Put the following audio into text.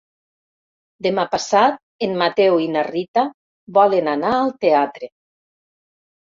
Demà passat en Mateu i na Rita volen anar al teatre.